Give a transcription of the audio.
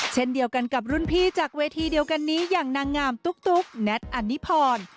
เช่นเดียวกันกับรุ่นพี่จากเวทีเดียวกันนี้อย่างนางงามตุ๊กแน็ตอันนิพร